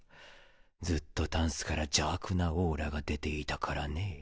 ずっとタンスから邪悪なオーラが出ていたからね。